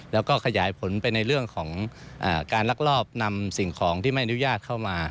แล้วก็ขยายผลไปในเรื่องของการลักลอบนำสิ่งของที่ไม่อนุญาตเข้ามา